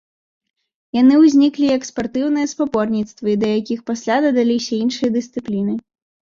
Яны ўзніклі як спартыўныя спаборніцтвы, да якіх пасля дадаліся іншыя дысцыпліны.